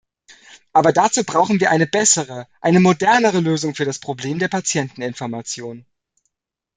Aber dazu brauchen wir eine bessere, eine modernere Lösung für das Problem der Patienteninformation.